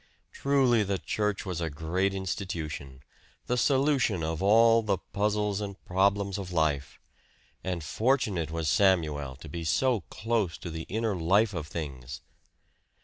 Truly, the church was a great institution the solution of all the puzzles and problems of life. And fortunate was Samuel to be so close to the inner life of things!